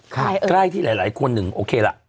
ใกล้ที่หลายคนหนึ่งโอเคล่ะ